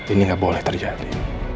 ini gak boleh terjadi